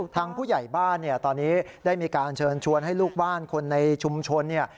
ทางผู้ใหญ่บ้านเนี่ยตอนนี้ได้มีการเชิญชวนให้ลูกบ้านคนในชุมชนเนี่ย